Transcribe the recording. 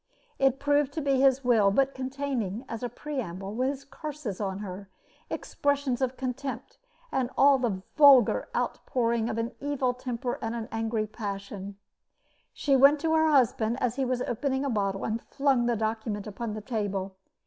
It proved to be his will, but containing, as a preamble, his curses on her, expressions of contempt, and all the vulgar outpouring of an evil temper and angry passion. She went to her husband as he was opening a bottle, and flung the document upon the table.